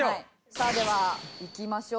さあではいきましょう。